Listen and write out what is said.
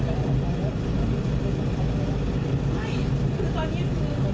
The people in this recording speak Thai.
ต้องการ